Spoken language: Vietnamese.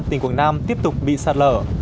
tỉnh quảng nam tiếp tục bị sạt lở